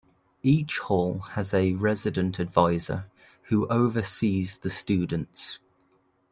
Each hall has a "resident advisor" who oversees the students.